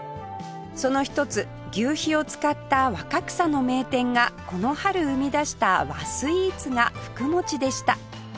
その一つ求肥を使った若草の名店がこの春生み出した和スイーツが福もちでした